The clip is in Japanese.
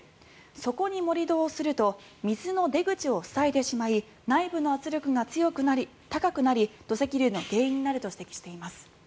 そこに盛り土をすると水の出口を塞いでしまい内部の圧力が高くなり土石流の原因になると指摘しています。